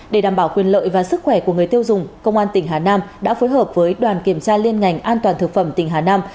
để đảm bảo quyền lợi và sức khỏe của người tiêu dùng công an tỉnh hà nam đã phối hợp với đoàn kiểm tra liên ngành an toàn thực phẩm tỉnh hà nam